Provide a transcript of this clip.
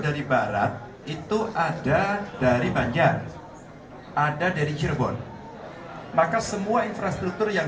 dari barat itu ada dari banjar ada dari cirebon maka semua infrastruktur yang